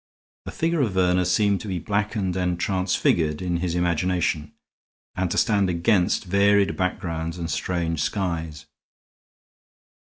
The figure of Verner seemed to be blackened and transfigured in his imagination, and to stand against varied backgrounds and strange skies.